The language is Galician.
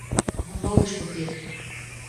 Non vou discutir.